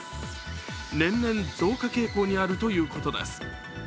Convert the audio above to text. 年々増加傾向にあるということです。